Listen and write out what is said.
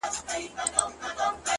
تمرکز ذهن واحد هدف ته راټولوي